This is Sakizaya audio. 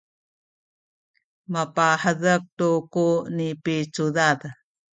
mapahezek tu ku nipicudad